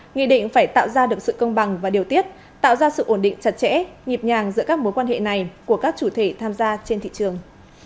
nghị định phải tạo ra được sự công bằng và điều tiết tạo ra sự ổn định chặt chẽ nhịp nhàng giữa các mối quan hệ này của các chủ thể tham gia trên thị trường